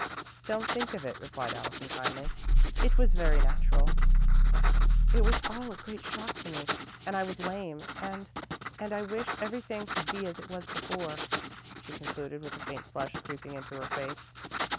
"Don't think of it," replied Allison, kindly. "It was very natural." "It was all a great shock to me, and I was lame, and and I wish everything could be as it was before," she concluded, with a faint flush creeping into her face.